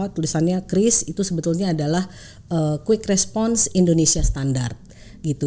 tulisannya chris itu sebetulnya adalah quick response indonesia standard gitu